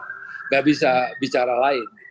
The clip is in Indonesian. tidak bisa bicara lain